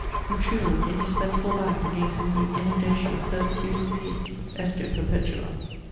the true and indispensable bank against a new inundation of persecuting zeal Esto perpetua!